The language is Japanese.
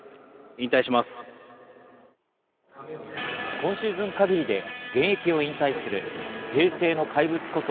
今シーズン限りで現役を引退する平成の怪物こと